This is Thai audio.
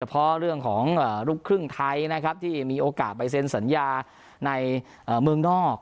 เพราะเรื่องของลูกครึ่งไทยนะครับที่มีโอกาสไปเซ็นสัญญาในเมืองนอก